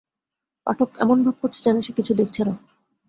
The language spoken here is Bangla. পাঠক এমন ভাব করছে যেন সে কিছু দেখছে না।